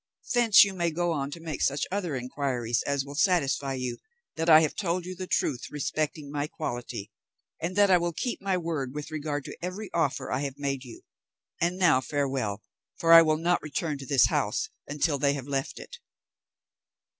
Thence you may go on to make such other inquiries as will satisfy you that I have told you the truth respecting my quality, and that I will keep my word with regard to every offer I have made you. And now farewell, for I will not return to this house until they have left it."